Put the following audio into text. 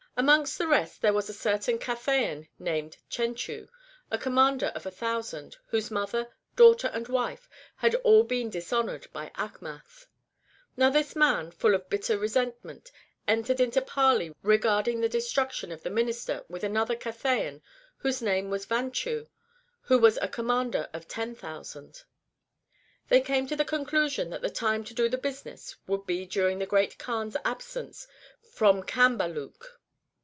Amongst the rest there was a certain Cathayan named Chenchu, a commander of a thousand, whose mother, daughter, and wife had all been dis honoured by Achmath. Now this man, full of bitter resentment, entered into parley regarding the destruction of the Minister with another Cathayan whose name was Vanchu, who was a commander of 10,000. They came to the conclusion that the time to do the business would be during the Great Kaan's absence from Cambaluc.